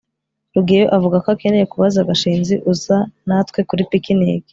rugeyo avuga ko akeneye kubaza gashinzi uza natwe kuri picnic